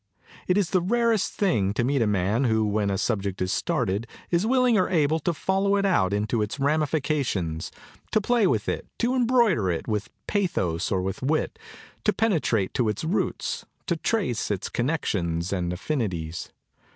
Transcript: It is the rarest thing to meet a man who, when a subject is started, is willing or able to follow it out into its ramifications, to play with it, to embroider it with pathos or with wit, to pene trate to its roots, to trace its connexions and affinities.